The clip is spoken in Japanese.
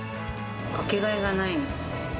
掛けがえがない。